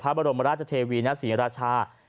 พระบรมราชเทวีณศรีราชา